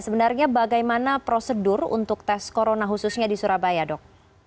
sebenarnya bagaimana prosedur untuk tes corona khususnya di surabaya dok